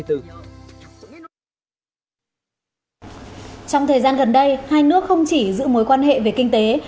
trong thời gian gần đây hai nước không chỉ giữ mối quan hệ về kinh tế